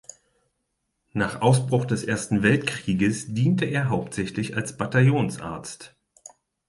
Nach Ausbruch des Ersten Weltkrieges diente er hauptsächlich als Bataillonsarzt.